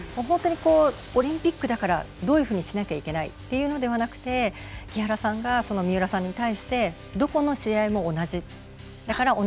本当にオリンピックだからどういうふうにしなきゃいけないということじゃなくて木原さんが三浦さんに対してどこの試合も同じって。